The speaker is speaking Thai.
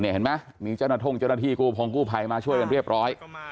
เห็นไหมมีเจ้าหน้าท่งเจ้าหน้าที่กูพองกูภัยมาช่วยกันเรียบร้อย